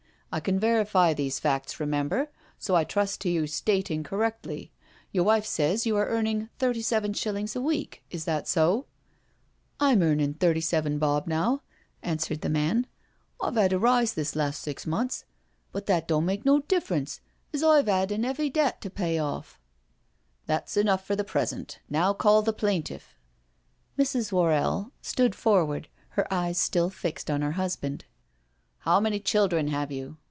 I can verify these facts remember, so I trust to your stating cor rectly. Your wife says you are earning thirty seven shillings a week, is this so?'^ "I'm earning thirty seven bob now,^* allowed the man. " I've 'ad a rise this last six months — but that don't make no difference as I've 'ad an 'eavy debt to pay off." " That's enough for the present. Now call the plaintiff." Mrs. Worrell stood forward, her eyes still fixed on her husband. " How many children have you?"